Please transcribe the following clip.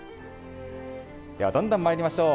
どんどんまいりましょう。